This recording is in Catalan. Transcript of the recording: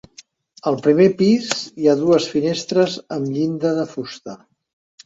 Al primer pis hi ha dues finestres amb llinda de fusta.